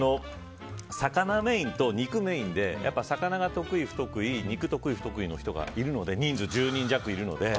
魚メインと肉メインで魚が得意、不得意肉、得意不得意の人がいるので人数１０人弱いるので。